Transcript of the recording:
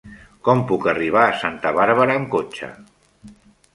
Com puc arribar a Santa Bàrbara amb cotxe?